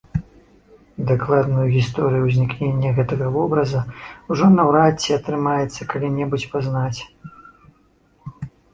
Дакладную гісторыю ўзнікнення гэтага вобраза ўжо наўрад ці атрымаецца калі-небудзь пазнаць.